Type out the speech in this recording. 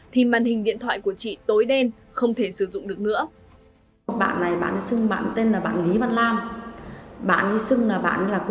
thì màn hình điện thoại của chị tối đen không thể sử dụng được nữa